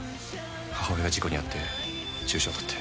母親が事故に遭って重症だって。